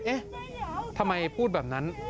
เอ๊ะทำไมพูดแบบนั้น